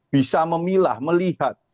bisa memilah melihat